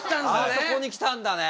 あそこに来たんだね！